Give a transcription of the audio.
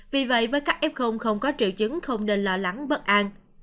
vì vậy với các f không có triệu chứng không nên lo lắng bất an